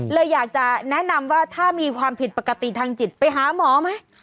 เลยอยากจะแนะนำว่าถ้ามีความผิดปกติทางจิตไปหาหมอไหม